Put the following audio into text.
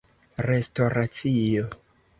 restoracio